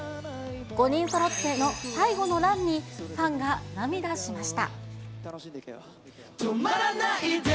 ５人そろての最後のＲＵＮに、ファンが涙しました。